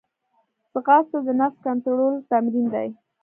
ځغاسته د نفس کنټرول تمرین دی